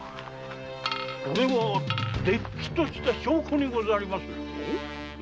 これはれっきとした証拠にござりまするぞ。